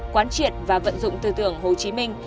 quán triệt và vận dụng tư tưởng hồ chí minh